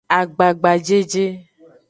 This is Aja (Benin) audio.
Agbagajeje.